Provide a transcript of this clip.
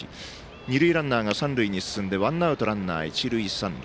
二塁ランナーが三塁へ進んでワンアウト、ランナー、一塁三塁。